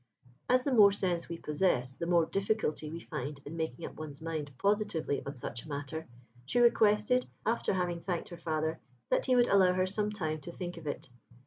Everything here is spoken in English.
As the more sense we possess, the more difficulty we find in making up one's mind positively on such a matter, she requested, after having thanked her father, that he would allow her some time to think of it.